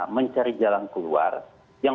mencari jalan keluar yang